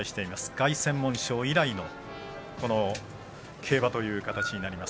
凱旋門賞以来の競馬という形になります。